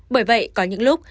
bởi vậy có những lúc